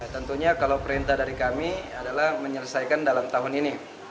tentunya kalau perintah dari kami adalah menyelesaikan dalam tahun ini